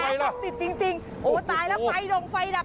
ศักดิ์สิทธิ์จริงโอ้ตายแล้วไฟดงไฟดับ